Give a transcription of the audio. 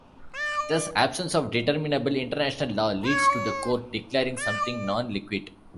Thus, absence of determinable international law leads to the court declaring something "non liquet".